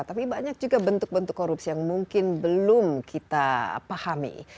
tapi banyak juga bentuk bentuk korupsi yang mungkin belum kita pahami